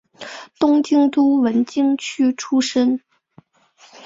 东京都文京区出身。